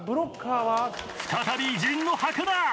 再び偉人の墓だ！